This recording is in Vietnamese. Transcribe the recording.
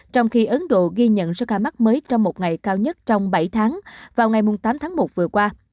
trong khi ấn độ ghi nhận số ca mắc mới trong một ngày cao nhất trong bảy tháng vào ngày tám tháng một vừa qua